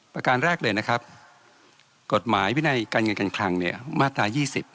การแรกเลยนะครับกฎหมายวินัยการเงินการคลังเนี่ยมาตรา๒๐